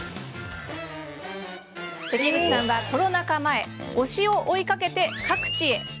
関口さんは、コロナ禍前推しを追いかけて各地へ。